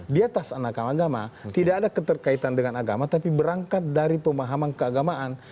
di atas anak agama tidak ada keterkaitan dengan agama tapi berangkat dari pemahaman keagamaan